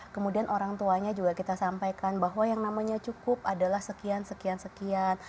kemudian orang tuanya juga kita sampaikan bahwa yang namanya cukup adalah sekian sekian sekian